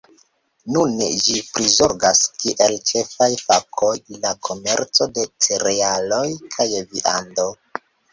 Nune ĝi prizorgas kiel ĉefaj fakoj la komerco de cerealoj kaj viando.